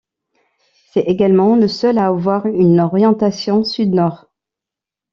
C'est également le seul à avoir une orientation sud-nord.